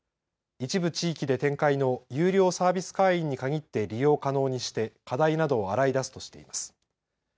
一部地域で展開の有料サービス会員に限って利用可能にして課題などを洗い出すとしています。